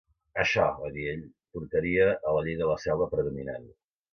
Això, va dir ell, portaria a la llei de la selva predominant.